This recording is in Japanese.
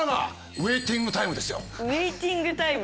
ウェイティングタイム。